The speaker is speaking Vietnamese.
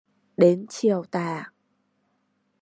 Đến chiều tà